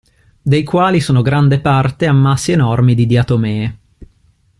Dei quali sono grande parte ammassi enormi di diatomee.